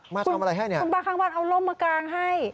มาทำอะไรให้เนี่ยคุณป้าข้างบ้านเอาร่มมากางให้